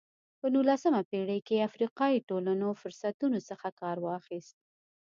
په نولسمه پېړۍ کې افریقایي ټولنو فرصتونو څخه کار واخیست.